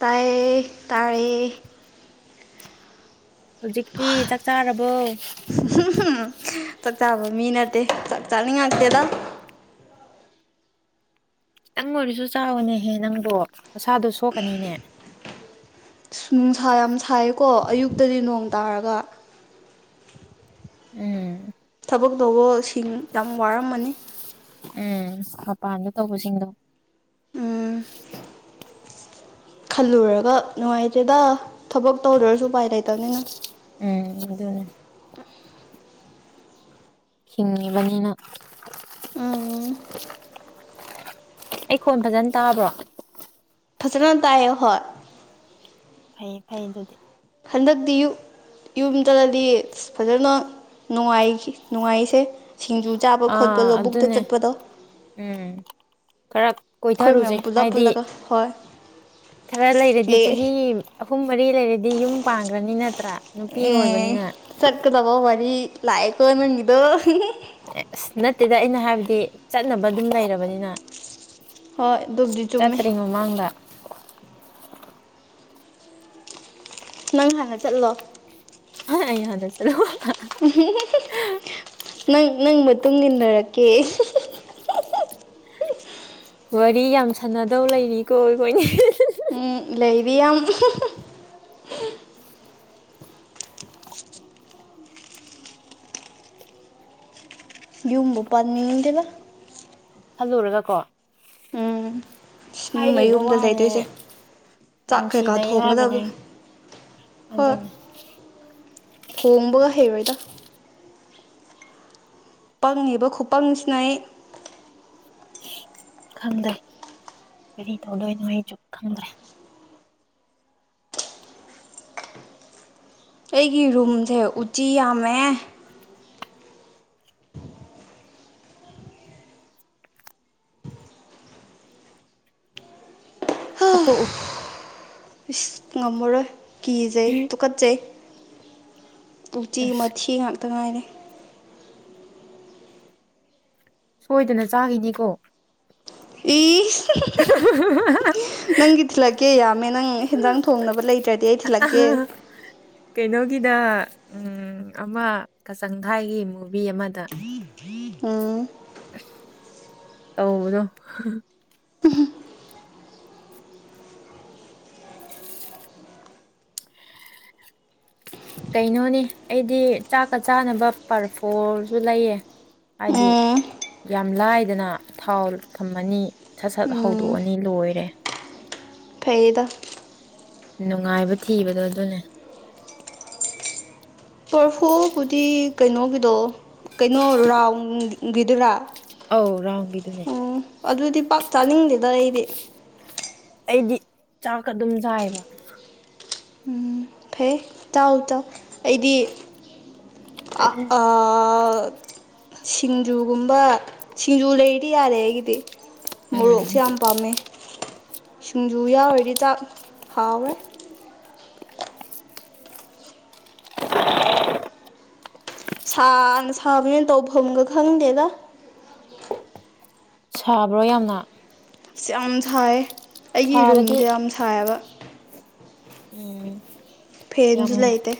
ꯇꯔꯌꯦ ꯇꯥꯔꯦ ꯍꯧꯖꯤꯛꯇꯤ ꯆꯥꯛ ꯆꯥꯔꯕꯣ ꯆꯥꯛ ꯆꯥꯕ ꯃꯤ ꯅꯠꯇꯦ ꯆꯥꯛ ꯆꯥꯅꯤꯡꯉꯥꯛꯇꯦꯗ ꯈꯤꯇꯪ ꯑꯣꯏꯔꯁꯨ ꯆꯥꯎꯅꯦꯍꯦ ꯅꯪꯕꯣ ꯃꯁꯥꯗꯣ ꯁꯣꯛꯀꯅꯤꯅꯦ ꯅꯨꯡꯁꯥ ꯌꯥꯝ ꯁꯥꯏꯀꯣ ꯑꯌꯨꯛꯇꯗꯤ ꯅꯣꯡ ꯇꯥꯔꯒ ꯎꯝ ꯊꯕꯛ ꯇꯧꯕꯁꯤꯡ ꯌꯥꯝ ꯋꯥꯔꯝꯃꯅꯤ ꯎꯝ ꯃꯄꯥꯟꯗ ꯇꯧꯕꯁꯤꯡꯗꯣ ꯎꯝ ꯈꯜꯂꯨꯔꯒ ꯅꯨꯡꯉꯥꯏꯇꯦꯗ ꯊꯕꯛ ꯇꯧꯗ꯭ꯔꯁꯨ ꯎꯄꯥꯏ ꯂꯩꯇꯕꯅꯤꯅ ꯎꯝ ꯑꯗꯨꯅꯦ ꯍꯤꯡꯉꯤꯕꯅꯤꯅ ꯎꯝ ꯑꯩ ꯈꯣꯟ ꯐꯖꯅ ꯇꯥꯕ꯭ꯔꯣ ꯐꯖꯅ ꯇꯥꯏꯌꯦ ꯍꯣꯏ ꯐꯩ ꯐꯩ ꯑꯗꯨꯗꯤ ꯍꯟꯗꯛꯇꯤ ꯌꯨꯝ ꯌꯨꯝ ꯆꯠꯂꯥꯗꯤ ꯐꯖꯅ ꯅꯨꯡꯉꯥꯏꯈꯤ ꯅꯨꯡꯉꯥꯏꯁꯦ ꯁꯤꯡꯖꯨ ꯆꯥꯕ ꯈꯣꯠꯄ ꯑꯥ ꯂꯧꯕꯨꯛꯇ ꯑꯗꯨꯅꯦ ꯆꯠꯄꯗꯣ ꯎꯝ ꯈꯔ ꯑꯩꯈꯣꯏ ꯀꯣꯏꯊꯔꯨꯁꯦ ꯃꯌꯥꯝ ꯄꯨꯜꯂꯞ ꯍꯥꯏꯗꯤ ꯄꯨꯜꯂꯒ ꯍꯣꯏ ꯈꯔ ꯂꯩꯔꯗꯤ ꯆꯍꯤ ꯑꯦ ꯨꯑꯍꯨꯝ ꯃꯔꯤ ꯂꯩꯔꯗꯤ ꯌꯨꯝ ꯄꯥꯡꯈ꯭ꯔꯅꯤꯅ ꯎꯝ ꯆꯠꯀꯥꯗꯕ ꯃꯔꯤ ꯂꯛꯑꯦꯀꯣ ꯅꯥꯪꯒꯤꯗꯤ ꯅꯥꯠꯇꯦꯗꯥ ꯑꯩꯅ ꯍꯥꯏꯕꯗꯤ ꯆꯠꯅꯕ ꯑꯗꯨꯝ ꯂꯩꯔꯕꯅꯤꯅ ꯍꯣꯏ ꯗꯨꯕꯨꯗꯤ ꯆꯨꯝꯃꯤ ꯆꯠꯇ꯭ꯔꯤ ꯃꯃꯥꯡꯗ ꯅꯪ ꯍꯥꯟꯅ ꯆꯠꯂꯣ ꯑꯩ ꯍꯟꯅ ꯆꯠꯂꯩ [unintelligible] ꯅꯪ ꯅꯪ ꯃꯇꯨꯡ ꯏꯟꯅꯔꯛꯀꯦ [unintelligible] [unintelligible] ꯋꯥꯔꯤ ꯌꯥꯝ ꯁꯥꯟꯅꯗꯧ ꯂꯩꯔꯤꯀꯣ ꯑꯩꯈꯣꯏꯅꯤ ꯎꯝ ꯂꯩꯔꯤ ꯌꯥꯝ ꯌꯨꯝꯕꯨ ꯄꯥꯟꯅꯤꯡꯗꯦꯔ‌ꯦ ꯈꯜꯂꯨꯔꯒ ꯀꯣ ꯎꯝ ꯃꯤ ꯍꯥꯏꯔꯤꯕ ꯃꯌꯨꯝꯗ ꯋꯥꯅꯦ ꯂꯩꯗꯣꯏꯁꯦ ꯆꯥꯛ ꯀꯩꯀꯥ ꯅꯨꯡꯁꯤꯅꯩ ꯍꯥꯏꯕꯅꯦ ꯊꯣꯡꯒꯗꯕꯗꯣ ꯍꯣꯏ ꯑꯗꯨꯅꯦ ꯊꯣꯡꯕꯒ ꯍꯩꯔꯣꯏꯗ ꯄꯪꯉꯦꯕ ꯈꯨꯄꯪꯁꯤꯅ ꯑꯩ ꯈꯪꯗ‌ꯦ ꯀꯔꯤ ꯇꯧꯗꯣꯏꯅꫭ ꯑꯩꯖꯨ ꯈꯪꯗ꯭ꯔꯦ ꯑꯩꯒꯤ ꯔꯨꯝꯁꯦ ꯎꯆꯤ ꯌꯥꯝꯃꯦ ꯍꯥꯠꯇꯣꯛꯎ ꯏꯁ ꯉꯝꯃꯔꯣꯏ ꯀꯤꯖꯩ ꯇꯨꯀꯠꯆꯩ ꯎꯆꯆꯤ ꯝꯊꯤ ꯉꯛ ꯉꯥꯏꯔꯤ ꯁꯣꯏꯗꯅ ꯆꯥꯈꯤꯅꯤꯀꯣ ꯏꫯꯁ ꯅꯪꯒꯤ ꯊꯤꯜꯂꯛꯀꯦ ꯌꯥꯝꯃꯦ ꯅꯪ ꯍꯦꯟꯖꯥꯡ ꯊꯣꯡꯅꯕ ꯂꯩꯇ꯭ꯔꯗꯤ ꯑꯩ ꯊꯤꯜꯂꯛꯀꯦ ꯗ ꯎꯝ ꯑꯃ ꯀꯆꯪ ꯊꯥꯏꯒꯤ ꯃꯨ [unintelligible] ꯎꯝ ꯇꯧꯕꯗꯣ ꯀꯩꯅꯣꯅꯤ ꯑꯩꯗꯤ ꯆꯥꯛꯀ ꯆꯥꯅꯕ ꯄꯔꯐꯣꯔꯁꯨ ꯂꯩꯌꯦ ꯍꯥꯏꯗꯤ ꯎꯝ ꯌꯥꯝ ꯂꯥꯏꯗꯅ ꯊꯥꯎ ꯊꯝꯃꯅꯤ ꯁꯠ ꯁꯠ ꯍꯧꯗꯣꯛꯑꯅꯤ ꯂꯣꯏꯔꯦ ꯐꯩꯌꯦꯗꯥ ꯅꯨꯡꯉꯥꯏꯕ ꯊꯤꯕꯗꯣ ꯑꯗꯨꯅꯦ ꯄꯔꯐꯣ ꯕꯨꯗꯤ ꯀꯩꯅꯣꯒꯤꯗꯣ ꯀꯩꯅꯣ ꯔꯥꯎꯟꯗꯤ ꯒꯤꯗꯨꯔꯥ ꯑꯧ ꯔꯥꯎꯒꯤꯗꯨꯅꯦ ꯑꯗꯨꯗꯤ ꯄꯥꯛ ꯆꯥꯅꯤꯡꯗꯦꯗ ꯑꯩꯗꯤ ꯑꯩꯗꯤ ꯆꯥꯛ ꯑꯗꯨꯝ ꯆꯥꯏꯕ ꯎꯝ ꯐꯩ ꯆꯥꯎ ꯆꯥꯎ ꯑꯩꯗꯤ ꯑꯥ ꯑꯥ ꯁꯤꯡꯖꯨ ꯒꯨꯝꯕ ꯁꯤꯡꯖꯨ ꯂꯩ ꯀꯗꯤ ꯌꯥꯔꯦ ꯑꯩꯒꯤꯗꯤ ꯎꯝ ꯃꯣꯔꯣꯛꯁꯦ ꯌꯥꯝ ꯄꯥꯝꯃꯦ ꯁꯤꯡꯖꯨ ꯌꯥꯎꯔꯗꯤ ꯆꯥꯛ ꯍꯥꯎꯋꯦ [inaudible] ꯁꯥꯅ ꯁꯥꯕꯅꯦꯅ ꯇꯧꯐꯝꯒ ꯈꯪꯗꯦꯗ ꯁꯥꯕ꯭ꯔꯣ ꯌꯥꯝꯅ ꯁꯤꯌꯥꯝ ꯁꯥꯌꯦ ꯑꯩꯒꯤ ꯁꯥꯔꯗꯤ ꯔꯨꯝꯖꯦ ꯌꯥꯝ ꯁꯥꯌꯦꯕ ꯎꯝ ꯐꯦꯟꯁꯨ ꯌꯥꯝ ꯂꯩꯇꯦ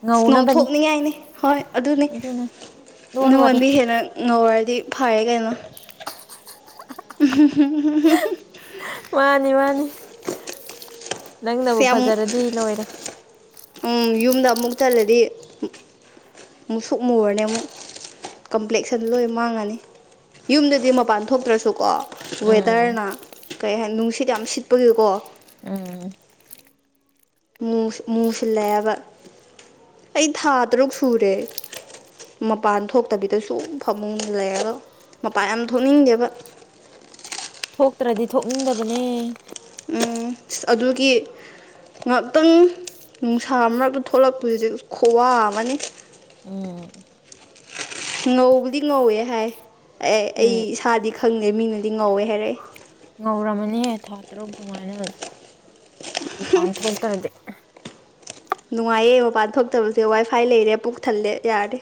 ꯉꯧꯅꯕꯅꯦ ꯉꯧꯊꯣꯛꯅꯤꯡꯉꯥꯏꯅꯤ ꯍꯣꯏ ꯑꯗꯨꯅꯤ ꯑꯗꯨꯅ ꯂꯣꯟ ꯋꯥꯔꯤ ꯅꯉꯣꯟꯗꯤ ꯍꯦꯟꯅ ꯉꯧꯔꯗꯤ ꯐꯔꯦ ꯀꯩꯅꯣ ꯎꯝ ꯍꯨꯝ ꯍꯨꯝ ꯃꯥꯅꯤ ꯃꯥꯅꯤ ꯅꯪꯅꯕꯨ ꯁꯤ ꯌꯥꯝ ꯐꯖꯔꯗꯤ ꯂꯣꯏꯔꯦ ꯎꯝ ꯌꯨꯝꯗ ꯑꯃꯨꯛ ꯆꯠꯂꯗꯤ ꯃꯨꯁꯨꯛ ꯃꯨꯔꯅꯦ ꯑꯃꯨꯛ ꯀꯝꯄ꯭ꯂꯦꯛꯁ ꯑꯗꯨꯟ ꯂꯣꯏ ꯃꯥꯡꯉꯅꯤ ꯌꯨꯝꯗꯗꯤ ꯃꯄꯥꯟ ꯊꯣꯛꯇ꯭ꯔꯁꯨꯀꯣ ꯎꯝ ꯋꯦꯗꯔꯅ ꯀꯩ ꯍꯥꯏꯅꯤ ꯅꯨꯡꯁꯤꯠ ꯌꯥꯝ ꯁꯤꯠꯄꯒꯤꯀꯣ ꯎꯝ ꯃꯨꯁꯤ ꯃꯨꯁꯤꯜꯂꯛꯑꯦꯕ ꯑꯩ ꯊꯥ ꯇꯔꯨꯛ ꯁꯨꯔꯦ ꯃꯄꯥꯟ ꯊꯣꯛꯇꯕꯤꯗꯁꯨ ꯐꯃꯨꯡꯜꯂꯛꯑꯦꯕ ꯃꯄꯥꯟ ꯌꯥꯝ ꯊꯣꯛꯅꯤꯡꯗꯦꯕ ꯊꯣꯛꯇ꯭ꯔꯗꯤ ꯊꯣꯛꯅꯤꯡꯗꯕꯅꯦ ꯎꯝ ꯑꯗꯨꯒꯤ ꯉꯥꯛꯇꯪ ꯅꯨꯡꯁꯥ ꯃꯛꯇ ꯊꯣꯛꯂꯛꯄ ꯍꯧꯖꯤꯛ ꯈꯨꯋꯥ ꯑꯃꯅꯤ ꯎꯝ ꯉꯧꯕꯗꯤ ꯉꯧꯋꯦ ꯍꯥꯏ ꯑꯦ ꯑꯩ ꯎꯝ ꯏꯁꯥꯗꯤ ꯈꯪꯗꯦ ꯃꯤꯅꯗꯤ ꯉꯧꯋꯦ ꯍꯥꯏꯔꯛꯑꯦ ꯉꯧꯔꯝꯃꯅꯤꯍꯦ ꯊꯥ ꯇꯔꯨꯛ ꯑꯗꯨꯃꯥꯏꯅ ꯎꯄꯥꯥꯟ ꯊꯣꯛ ꯇꯥꯔꯗꯦ ꯅꯨꯡꯉꯥꯏꯌꯦ ꯃꯄꯥꯟꯗ ꯐꯛꯇꯕꯁꯦ ꯋꯥꯏ ꯐꯥꯏ ꯂꯩꯔꯦ ꯄꯨꯛ ꯊꯜꯂꯦ ꯌꯥꯔꯦ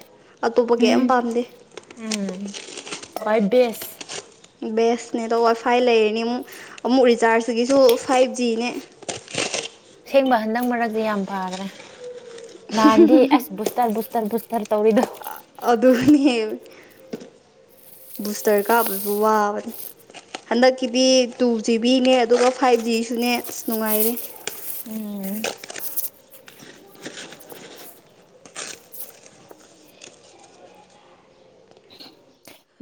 ꯑꯇꯣꯞꯄ ꯀꯩꯝ ꯎꯝ ꯄꯥꯝꯗꯦ ꯍꯋꯥꯣꯏ ꯦꯁ ꯕꯦꯁ ꯅꯦ ꯑꯗꯣ ꯋꯥꯏ ꯐꯥꯏ ꯂꯩꯔꯅꯤ ꯑꯃꯨꯛ ꯑꯃꯨꯛ ꯔꯤꯆꯥꯔꯖ ꯁꯤꯒꯤꯁꯨ ꯐꯥꯏꯚ ꯖꯤꯅꯦ ꯑꯁꯦꯡꯕ ꯍꯟꯗꯛ ꯃꯔꯛꯁꯦ ꯌꯥꯝ ꯐꯈ꯭ꯔꯦ ꯅꯅꯥꯥꯟꯗꯤ ꯑꯁ ꯄꯨꯁꯇꯔ ꯁꯇꯔꯔ ꯇꯔ ꯇꯧꯔꯤꯣ ꯑꯗꯨꯅꯦ ꯕꯨꯁꯇꯔ ꯀꯥꯕꯁꯨ ꯋꯥꯕꯅꯤ ꯍꯟꯗꯛꯀꯤꯗꯤ ꯇꯨ ꯖꯤꯕꯤꯅꯦ ꯑꯗꯨꯒ ꯐꯥꯏꯚ ꯖꯤꯁꯨꯅꯦ ꯑꯁ ꯅꯨꯡꯉꯥꯏꯔꯦ ꯎꯝ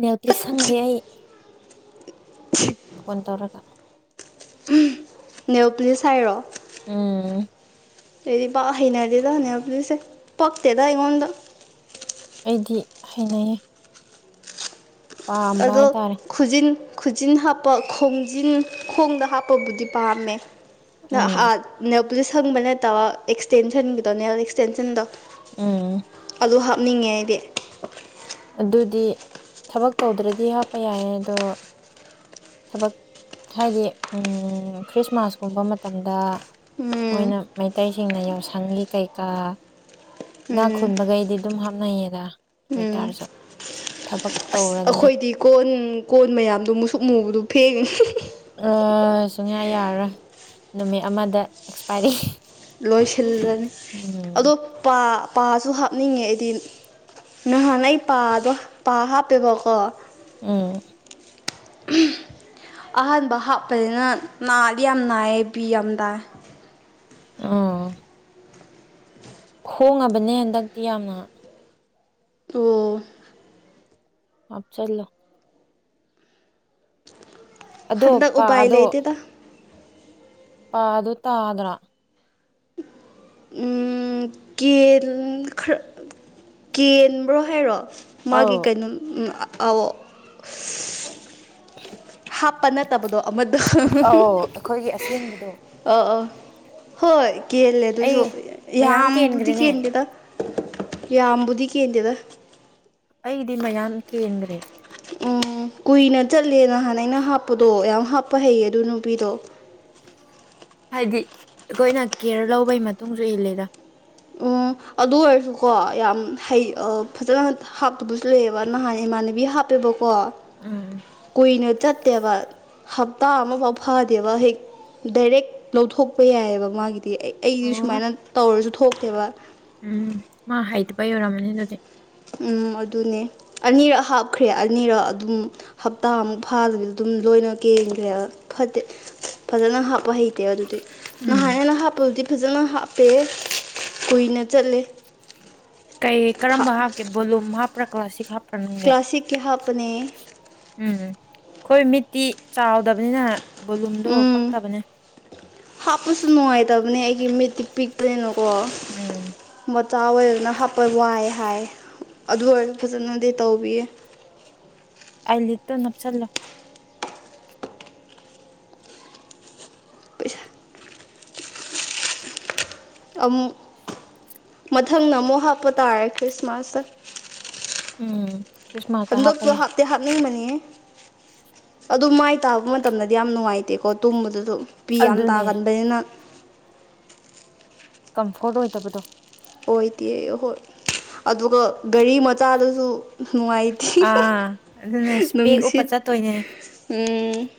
ꯅꯦꯜ ꯄꯂꯤꯁ ꯁꯪꯒꯦ ꯑꯩ ꯐꯣꯟ ꯇꯧꯔꯒ ꯅꯥꯏꯜ ꯄ꯭ꯂꯤꯁ ꯍꯥꯏꯔꯣ ꯎꯝ ꯑꯩꯗꯤ ꯄꯥꯛ ꯍꯩꯅꯗꯤꯗ ꯅꯦꯜꯄꯨꯂꯤꯁꯁꯦ ꯄꯛꯇꯦꯗ ꯑꯩꯉꯣꯟꯗ ꯗꯤ ꯍꯩꯅꯩꯌꯦ ꯄꯥꯝꯕ ꯑꯗꯣ ꯍꯥꯏꯇꯥꯔꯦ ꯈꯨꯖꯤꯟ ꯈꯨꯖꯤꯟ ꯍꯥꯞꯄ ꯈꯣꯡꯖꯤꯟ ꯈꯣꯡꯗ ꯍꯥꯞꯄꯕꯨꯗꯤ ꯄꯥꯝꯃꯦ ꯎꯝ ꯅꯍꯥꯟ ꯑꯗꯨ ꯁꯪꯕ ꯅꯠꯇꯕ ꯑꯦꯛꯁꯇꯦꯟꯁꯟꯒꯤꯗꯧꯅꯦ ꯑꯦꯛꯁꯇꯦꯟꯁꯟꯗꯣ ꯎꯝ ꯑꯗꯨ ꯍꯥꯞꯅꯤꯡꯉꯦ ꯑꯩꯗꯤ ꯑꯗꯨꯗꯤ ꯊꯕꯛ ꯇꯧꯗ꯭ꯔꯗꯤ ꯍꯥꯞꯄ ꯌꯥꯏ ꯑꯗꯣ ꯊꯕꯛ ꯍꯥꯏꯗꯤ ꯈ꯭ꯔꯤꯁꯃꯥꯁꯀꯨꯝꯕ ꯃꯇꯝꯗ ꯎꯝ ꯃꯣꯏꯅ ꯃꯩꯇꯩꯁꯤꯡꯅ ꯌꯥꯎꯁꯪꯒꯤ ꯀꯩꯀꯥ ꯏꯅꯥꯛ ꯎꯝ ꯈꯨꯟꯕꯈꯩꯗꯤ ꯑꯗꯨꯝ ꯍꯥꯞꯅꯩꯌꯦꯗ ꯇꯥꯔꯁꯨ ꯊꯕꯛ ꯇꯧꯔꯗꯤ ꯑꯩꯈꯣꯏꯗꯤ ꯀꯣꯟ ꯀꯣꯟ ꯃꯌꯥꯝꯗꯨ ꯃꯨꯁꯨꯛ ꯃꯨꯕꯗꯨꯣ ꯊꯦꯡ ꯁꯨꯡꯌꯥ ꯌꯥꯔꯔꯣꯏ ꯅꯨꯃꯤꯠ ꯑꯃꯗ ꯑꯦꯛꯁꯄꯥꯏꯔꯤ ꯂꯣꯏꯁꯤꯜꯂꯅꯤ ꯎꯝ ꯑꯗꯣ ꯄ ꯄꯥꯁꯨ ꯍꯥꯞꯅꯤꯡꯉꯦ ꯑꯩꯗꯤ ꯅꯍꯥꯟ ꯑꯩ ꯄꯥꯗꯣ ꯄꯥ ꯍꯥꯞꯄꯦꯕꯀꯣ ꯎꯝ ꯑꯍꯥꯟꯕ ꯍꯥꯞꯄꯅꯤꯅ ꯅꯥꯗꯤ ꯌꯥꯝ ꯅꯥꯏꯌꯦ ꯕꯤ ꯌꯥꯝ ꯇꯥꯏ ꯑꯥ ꯍꯣꯡꯉꯕꯅꯦ ꯍꯟꯗꯛꯇꯤ ꯌꯥꯝꯅ ꯑꯣ ꯍꯄꯆꯜꯂꯣ ꯑꯗꯣ ꯍꯟꯗꯛ ꯎꯄꯥꯏ ꯂꯩꯇꯦꯗ ꯄꯥ ꯑꯗꯨ ꯇꯥꯗ꯭ꯔ ꯀꯦꯟ ꯈꯔ ꯀꯦꯟꯕ꯭ꯔꯣ ꯍꯥꯏꯔꯣ ꯃꯥꯒꯤ ꯑꯧ ꯀꯩꯅꯣꯝ ꯑꯑꯣ ꯍꯥꯞ ꯄꯟꯅ ꯇꯕꯗꯣ ꯑꯃ ꯑꯧ ꯑꯩꯈꯣꯏꯒꯤ ꯑꯁꯦꯡꯕꯗꯣ ꯑꯥ ꯑꯥ ꯍꯣꯏ ꯀꯦꯜꯂꯦ ꯑꯩ ꯑꯗꯨꯁꯨ ꯃꯌꯥꯝ ꯌꯥꯝꯕꯨꯗꯤ ꯀꯦꯟꯈ꯭ꯔꯦꯅꯦ ꯀꯦꯗꯗ ꯌꯥꯝꯕꯕꯨꯗꯤ ꯀꯦꯗꯦꯗ ꯑꯩꯗꯤ ꯃꯌꯥꯝ ꯀꯦꯟꯈ꯭ꯔꯦ ꯎꯝ ꯀꯨꯏꯅ ꯆꯠꯂꯦ ꯅꯍꯥꯟ ꯑꯩꯅ ꯍꯥꯞꯄꯗꯣ ꯌꯥꯝ ꯍꯥꯞꯄ ꯍꯩꯌꯦ ꯑꯗꯨ ꯅꯨꯄꯤꯗꯣ ꯍꯥꯏꯗꯤ ꯑꯩꯈꯣꯏꯅ ꯀꯦꯌꯔ ꯂꯧꯕꯒꯤ ꯃꯇꯨꯡꯁꯨ ꯏꯜꯂꯦꯗ ꯎ ꯑꯗꯨ ꯑꯣꯏꯔꯁꯨꯀꯣ ꯌꯥꯝ ꯍꯩ ꯐꯖꯅ ꯍꯥꯞꯇꯕꯁꯨ ꯂꯩꯌꯦꯕ ꯅꯍꯥꯟ ꯏꯃꯥꯟꯅꯕꯤ ꯍꯥꯞꯄꯦꯕ ꯄꯣ ꯎꯝ ꯀꯨꯏꯅ ꯆꯠꯇꯦꯕ ꯍꯞꯇꯥ ꯑꯃꯐꯥꯎ ꯐꯗꯦꯕ ꯍꯦꯛ ꯗꯥꯏꯔꯦꯛ ꯂꯧꯊꯣꯛꯄ ꯌꯥꯏꯑꯕ ꯃꯥꯒꯤ ꯑꯩꯗꯤ ꯑꯣ ꯁꯨꯃꯥꯏꯅ ꯇꯧꯔꯁꯨ [unintelligible] ꯎꯝ ꯃꯥ ꯍꯥꯏꯇꯕꯩ ꯑꯣꯏꯔꯝꯅꯤ ꯑꯗꯨꯗꯤ ꯎꯝ ꯑꯗꯨꯅꯦ ꯑꯅꯤꯔꯛ ꯍꯥꯞꯈ꯭ꯔꯦ ꯑꯅꯤꯔꯛ ꯑꯗꯨꯝ ꯍꯞꯇꯥꯃꯨꯛ ꯐꯥꯗꯕꯤꯗ ꯑꯗꯨꯝ ꯂꯣꯏꯅ ꯀꯦꯟꯈ꯭ꯔꯦ ꯐꯇꯦ ꯐꯖꯅ ꯍꯥꯞꯄ ꯍꯩꯇ ꯑꯗꯨꯗꯤ ꯎꯝ ꯅꯍꯥꯟꯅ ꯍꯥꯞꯄꯗꯨꯗꯤ ꯐꯖꯅ ꯍꯥꯞ ꯄꯦ ꯀꯨꯏꯅ ꯆꯠꯂꯦ ꯀꯩ ꯊꯥ ꯀꯔꯝꯕ ꯍꯥꯞꯀꯦ ꯕꯣꯂꯨꯝ ꯍꯥꯞ ꯄ꯭ꯔ ꯀ꯭ꯂꯥꯁꯁꯤꯛ ꯍꯥꯞ ꯐꯝꯅꯤꯡꯗꯦ ꯀ꯭ꯂꯥꯁꯤꯛꯀꯤ ꯍꯥꯞꯄꯅꯦ ꯎꯝ ꯑꯩꯈꯣꯏ ꯃꯤꯠ ꯇꯤ ꯆꯥꯎꯗꯕꯅꯤꯅ ꯕꯣꯂꯨꯝꯗꯣ ꯎꯝ ꯄꯛꯇꯕꯅꯦ ꯃꯤꯇꯤ ꯄꯤꯛꯄꯅꯤꯅ ꯀꯣ ꯎꯝ ꯃ [unintelligible] ꯆꯥꯎꯋ‌ꯦꯅ ꯍꯥꯞꯄ ꯋꯥꯏ ꯍꯥꯏ ꯑꯗꯨ ꯑꯣꯏꯔꯁꯨ ꯐꯖꯅꯗꯤ ꯇꯧꯕꯤꯌꯦ ꯑꯥꯏ ꯂꯤꯠꯇꯣ ꯅꯞꯁꯜꯂꯣ ꯄꯩꯁꯥ ꯑꯃꯨꯛ ꯃꯊꯪꯅ ꯑꯃꯨꯛ ꯍꯥꯞꯄ ꯇꯥꯔꯦ ꯈ꯭ꯔꯤꯁꯃꯥꯁꯇ ꯎꯝ ꯈ꯭ꯔꯤꯁꯃꯥꯁ ꯍꯥꯄ ꯍꯟꯗꯛꯁꯨ ꯌꯥꯏ ꯍꯥꯞꯇꯤ ꯍꯥꯞꯅꯤꯡꯕꯅꯤ ꯑꯗꯨ ꯃꯥꯏ ꯇꯥꯕ ꯃꯇꯝꯗꯗꯤ ꯌꯥꯝ ꯅꯨꯡꯉꯥꯏꯇꯦꯀꯣ ꯇꯨꯝꯕꯗ ꯑꯗꯨ ꯄꯤ ꯌꯥꯝ ꯑꯗꯨꯅꯦ ꯇꯥꯒꯟꯕꯅꯤꯅ ꯀꯝꯐꯣꯔꯠ ꯑꯣꯏꯗꯕꯗꯣ ꯑꯣꯏꯗꯦ ꯑꯍꯣꯏ ꯑꯗꯨꯒ ꯒꯥꯔꯤ ꯃꯆꯥꯗꯁꯨ ꯅꯨꯡꯉꯥꯏꯇꯦ ꯑꯥ ꯑꯗꯨꯅ ꯏꯁꯄꯦꯛ ꯎꯞꯄ ꯅꯨꯡꯁꯤꯠ ꯆꯠꯇꯣꯏꯅꯦ [unintelligible]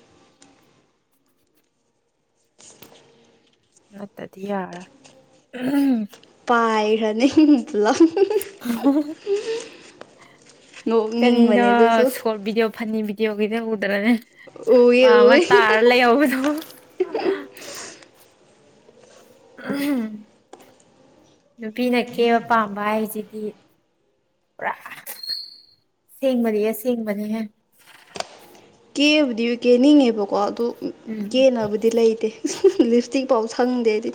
ꯅꯠꯇ꯭ꯔꯗꯤ ꯌꯥꯔꯔꯣꯏ [unintelligible] ꯀꯔꯤꯅꯣ ꯅꯣꯛꯅꯤꯡꯕꯅꯦ ꯑꯗꯨꯨꯁꯨ ꯁꯣꯔꯠ ꯚꯤꯗꯤꯑꯣ ꯐꯅꯤ ꯎꯗ꯭ꯔꯅꯦ [unintelligible] ꯎꯋꯦ ꯄꯥꯝꯃ ꯎꯋꯦ ꯇꯥꯔ ꯂꯩꯍꯧꯕꯗꯣ ꯑ ꯅꯨꯄꯤꯅ ꯀꯦꯕ ꯄꯥꯝꯕ ꯍꯥꯏꯁꯦ ꯄꯨꯔꯥ ꯁꯦꯡꯕꯅꯤ ꯑꯁꯦꯡꯕꯅꯤꯍꯦ ꯀꯦꯕꯨꯗꯤ ꯀꯦꯅꯤꯡꯉꯦꯕꯀꯣ ꯑꯗꯨ ꯎꯝ ꯀꯦꯅꯕꯨꯗꯤ ꯂꯩꯇꯦ ꯂꯤꯞ ꯏꯁꯇꯤꯛ ꯐꯥꯎ ꯁꯪꯗꯦ ꯍꯥꯏꯗꯤ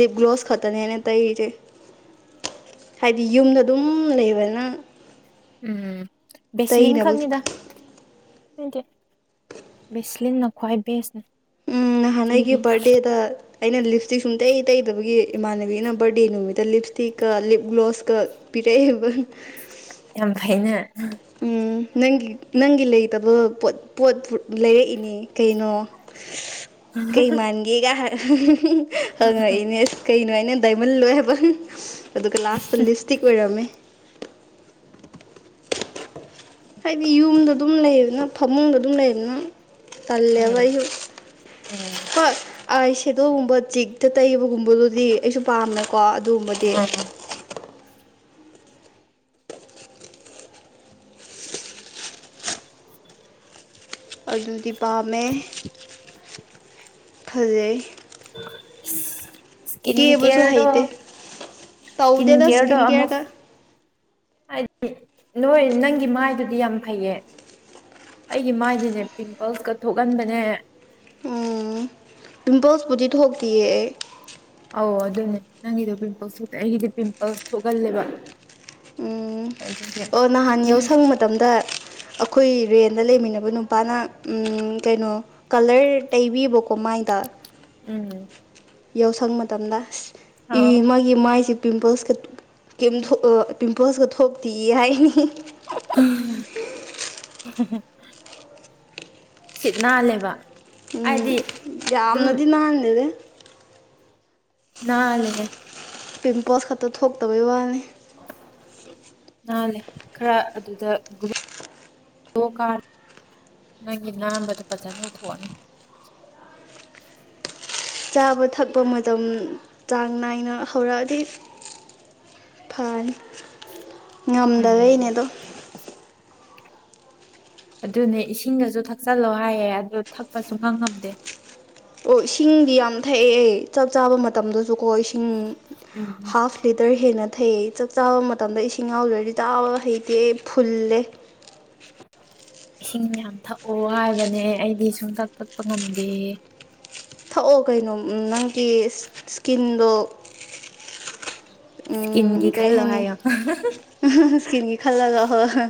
ꯂꯤꯞ ꯒ꯭ꯂꯣꯁ ꯈꯛꯇꯅꯦꯅ ꯇꯩꯔꯤꯁꯦ ꯈꯛꯇꯅꯦ ꯑꯩꯅ ꯇꯩꯔꯤꯁꯦ ꯍꯥꯏꯗꯤ ꯌꯨꯝꯗ ꯑꯗꯨꯝ ꯂꯩꯕꯅ ꯎꯝ ꯕꯦꯁꯂꯤꯟ ꯇꯩꯅꯕꯁꯨ ꯈꯪꯅꯤꯗ ꯍꯥꯏꯗꯤ ꯕꯦꯁꯂꯤꯟꯅ ꯈ꯭ꯋꯥꯏ ꯕꯦꯁꯅꯤ ꯎꯝ ꯍꯥꯟꯒꯤ ꯕꯥꯔꯗꯦꯗ ꯑꯩꯅ ꯂꯤꯞꯁꯇꯤꯛ ꯁꯨꯡ ꯇꯩ ꯇꯩꯗꯕꯒꯤ ꯏꯃꯥꯟꯅꯕꯤꯅ ꯕꯥꯔꯗꯦ ꯅꯨꯃꯤꯠꯇ ꯂꯤꯞꯁꯇꯤꯛꯀ ꯂꯤꯞ ꯒ꯭ꯂꯣꯞꯁꯀ ꯄꯤꯔꯛꯏ ꯌꯥꯝ ꯐꯥꯏꯅ ꯎ ꯅꯪꯒꯤ ꯅꯪꯒꯤ ꯂꯩꯇꯕ ꯄꯣ ꯄꯣꯠ ꯂꯩꯔ ꯀꯩꯅꯣ ꯀꯩ ꯃꯥꯟꯒꯦꯒ [unintelligible] ꯍꯪꯉꯛꯏꯅꯦ ꯀꯩꯅꯣ ꯍꯥꯏꯥꯏ ꯗꯏꯃꯟ ꯂꯣꯏ ꯍꯥꯏꯕ ꯑꯗꯨꯒ ꯂꯥꯁꯇ ꯂꯤꯞ ꯏꯁꯇꯤꯛ ꯑꯣꯏꯔꯝꯃꯦ ꯍꯥꯏꯗꯤ ꯌꯨꯝꯗ ꯑꯗꯨꯝ ꯂꯩꯗꯅ ꯐꯃꯨꯡꯗ ꯑꯗꯨꯝ ꯂꯩꯗꯅ ꯇꯜꯂꯦꯕ ꯎꯝ ꯑꯩꯁꯨ ꯎꯝ ꯍꯣꯏ ꯑꯩ ꯁꯦꯗꯣꯜꯒꯨꯝꯕ ꯆꯤꯛꯇ ꯇꯩꯕꯒꯨꯝꯕꯗꯨꯗꯤ ꯑꯩꯁꯨ ꯄꯥꯝꯅ ꯀꯣ ꯑꯗꯨꯝꯕꯗꯤ ꯎꯝ ꯑꯗꯨꯗꯤ ꯄꯥꯝꯃꯦ ꯐꯖꯩ [unintelligible] ꯀꯦꯕꯨꯁꯨ ꯀꯦꯌꯔꯗꯣ ꯍꯥꯏꯩꯇꯦ ꯏꯁꯀꯤꯟ ꯇꯧꯗꯦꯗ ꯀꯦꯌꯔꯗꯣ ꯁꯀꯤꯟ ꯀꯦꯌꯔ ꯑꯃꯨꯛ ꯀ ꯍꯥꯏꯗꯤ ꯅꯣꯏ ꯅꯪꯒꯤ ꯃꯥꯏꯗꯨꯗꯤ ꯌꯥꯝ ꯐꯩꯌꯦ ꯑꯩꯒꯤ ꯃꯥꯏꯗꯨꯅꯦ ꯄꯤꯝꯄꯜꯁꯀ ꯊꯣꯛꯍꯟꯕꯅꯦ ꯑꯣ ꯄꯤꯝꯄꯜꯁꯄꯨꯗꯤ ꯊꯣꯛꯇꯌꯦ ꯑꯩ ꯑꯣ ꯑꯗꯨꯅꯦ ꯅꯪꯒꯤꯗꯣ ꯄꯤꯝꯄꯜꯁ ꯊꯣꯛꯇꯦ ꯑꯩꯒꯤꯗꯤ ꯄꯤꯝꯄꯜꯁ ꯊꯣꯛꯍꯜꯂꯦꯕ ꯎꯝ ꯑꯣ ꯅꯍꯥꯟ ꯌꯥꯎꯁꯪ ꯃꯇꯝꯗ ꯑꯩꯈꯣꯏ ꯔꯦꯟꯗ ꯂꯩꯃꯤꯟꯅ ꯑꯗꯨ ꯅꯨꯄꯥꯅ ꯀꯩꯅꯣ ꯀꯂꯔ ꯇꯩꯕꯤꯕꯀꯣ ꯃꯥꯏꯗ ꯎꯝ ꯌꯥꯎꯁꯪ ꯃꯇꯝꯗ ꯑ ꯏ ꯑꯣ ꯃꯥꯒꯤ ꯃꯥꯏꯁꯦ ꯄꯤꯝꯄꯜꯁꯀ ꯀꯦꯝꯝ ꯄꯤꯝꯄꯜꯁꯀ ꯊꯣꯛꯇꯤ ꯍꯥꯏꯅꯤ ꯎꯝ ꯁꯤꯠ ꯅꯥꯜꯂꯦꯕ ꯎꯝ ꯍꯥꯏꯗꯤ ꯑꯗꯨꯝ ꯌꯥꯝꯅꯗꯤ ꯅꯥꯟꯗꯦꯗ ꯅꯥꯜꯂꯦꯍꯦ ꯄꯤꯝꯄꯜꯁ ꯈꯛꯇ ꯊꯣꯛꯇꯕꯩ ꯋꯥꯅꯤ [unintelligible] ꯅꯥꯜꯂꯦ ꯈꯔ ꯑꯗꯨꯗ ꯒ꯭ꯂꯣ ꯀꯥꯕꯗꯤ ꯅꯣꯏꯒꯤ ꯅꯥꯟꯕꯗꯣ ꯐꯖꯅ ꯉꯧꯊꯣꯛꯑꯅꯤ ꯆꯥꯕ ꯊꯛꯄ ꯃꯇꯝ ꯆꯥꯡ ꯅꯥꯏꯅ ꯍꯧꯔꯛꯑꯗꯤ ꯐꯅꯤ ꯎꯝ ꯉꯝꯗꯕꯩꯅꯦ ꯑꯗꯣ ꯑꯗꯨꯅꯦ ꯏꯁꯤꯡꯗꯁꯨ ꯊꯛꯆꯜꯂꯣ ꯍꯥꯏꯌꯦ ꯑꯗꯨ ꯊꯛꯄ ꯁꯨꯛ ꯉꯝ ꯉꯝꯗꯦ ꯑꯣ ꯏꯁꯤꯡꯗꯤ ꯌꯥꯝ ꯊꯛꯑꯦ ꯑꯩ ꯆꯥꯛ ꯆꯥꯕ ꯃꯇꯝꯗꯁꯨ ꯗꯨꯀꯣ ꯏꯁꯤꯡ ꯎꯝ ꯍꯥꯐ ꯂꯤꯇꯔ ꯍꯦꯟꯅ ꯊꯩ ꯆꯥꯛ ꯆꯥꯕ ꯃꯇꯝꯗ ꯏꯁꯤꯡ ꯌꯥꯎꯗ꯭ꯔꯗꯤ ꯆꯥꯕ ꯍꯩꯇꯦ ꯐꯨꯜꯂꯦ ꯏꯁꯤꯡ ꯌꯥꯝ ꯊꯛꯑꯣ ꯍꯥꯏꯕꯅꯦ ꯑꯩꯗꯤ ꯁꯨꯡꯇꯥꯛ ꯊꯛꯄ ꯉꯝꯗꯦ ꯊꯛꯑꯣ ꯀꯩꯅꯣ ꯅꯪꯒꯤ ꯁꯀꯤꯟꯗꯣ ꯎꯝ ꯏꯁꯀꯤꯟꯒꯤ ꯀꯩ ꯈꯜꯂꯣ ꯍꯥꯏꯅꯤ ꯍꯥꯏꯌꯣ ꯁꯀꯤꯟꯒꯤ ꯈꯜꯂꯒ ꯍꯣꯏ [unintelligible]